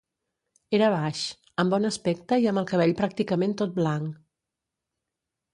Era baix, amb bon aspecte i amb el cabell pràcticament tot blanc.